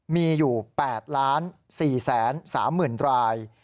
มีอยู่๘๔๓๐๐๐ราย